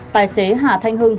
tài xế hà thanh hưng